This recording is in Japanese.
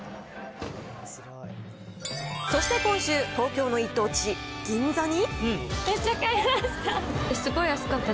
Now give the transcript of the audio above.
そして今週、東京の一等地、銀座に。